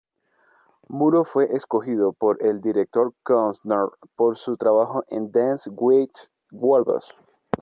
Muro fue escogido por el director Costner por su trabajo en Dances with Wolves.